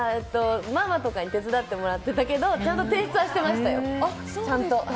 ママとかに手伝ってもらっていたけどちゃんと提出はしてましたよ。